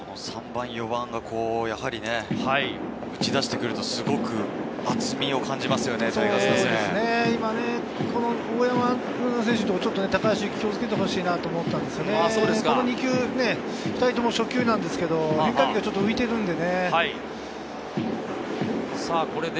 この３番・４番がやはり打ち出してくるとすごく厚みを大山選手を高橋優貴、気をつけてほしいと思ったんですよね、２人とも初球なんですけど、変化球が浮いているんで。